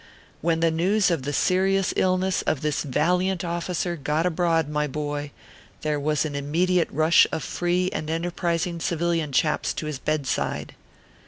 When the news of the serious illness of this valiant officer got abroad, my boy, there was an immediate rush of free and enterprising civilian chaps to his bed side.